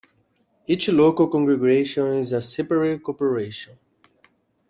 Each local congregation is a separate corporation.